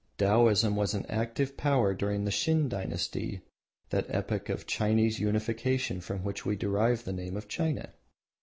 Taoism was an active power during the Shin dynasty, that epoch of Chinese unification from which we derive the name China.